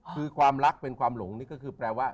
คือความรักเป็นความหลงนี่ก็คือแปลว่า